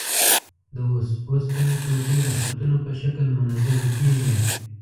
د اوسپنې ټوټې د خطونو په شکل منظمې کیږي.